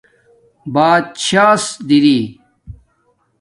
باتشاس دِری